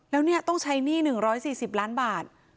แล้วเนี่ยต้องใช้หนี้๑๔๐ล้านบาท